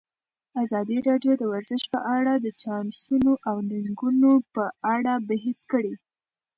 ازادي راډیو د ورزش په اړه د چانسونو او ننګونو په اړه بحث کړی.